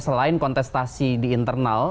selain kontestasi di internal